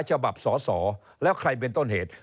ฉบับสอสอแล้วใครเป็นต้นเหตุ